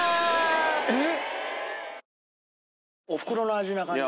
えっ！？